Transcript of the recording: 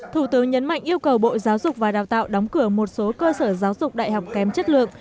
thủ tướng nhấn mạnh yêu cầu bộ giáo dục và đào tạo đóng cửa một số cơ sở giáo dục đại học kém chất lượng